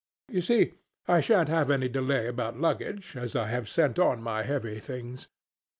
You see, I shan't have any delay about luggage, as I have sent on my heavy things.